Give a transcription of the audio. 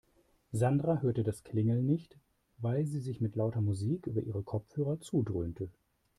Sandra hörte das Klingeln nicht, weil sie sich mit lauter Musik über ihre Kopfhörer zudröhnte.